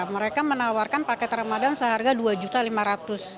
mereka menawarkan paket ramadan seharga rp dua lima ratus